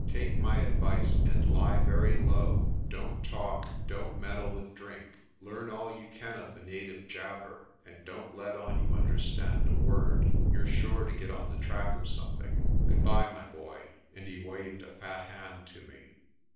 "Take my advice and lie very low. Don't talk, don't meddle with drink, learn all you can of the native jabber, but don't let on you understand a word. You're sure to get on the track of something. Good bye, my boy," and he waved a fat hand to me.